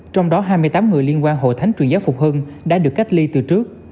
trong đó hai mươi tám người liên quan hội thánh truyền giáo phục hưng đã được cách ly từ trước